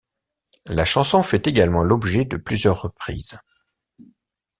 La chanson fait également l'objet de plusieurs reprises.